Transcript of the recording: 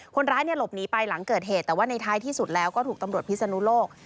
คนร้ายเนี่ยหลบหนีไปหลังเกิดเหตุแต่ว่าในท้ายที่สุดแล้วก็ถูกตำรวจพิศนุโลก